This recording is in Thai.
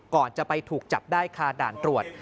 ก่อนจะไปถูกจับได้คาด่านตรวจ